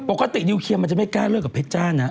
นิวเคลียร์มันจะไม่กล้าเลิกกับเพชรจ้านะ